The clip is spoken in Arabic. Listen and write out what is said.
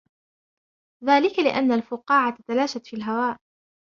ذلك لأن الفقاعة تلاشت في الهواء.